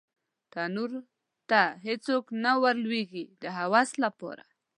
تنور ته هېڅوک نه ور لویږې د هوس لپاره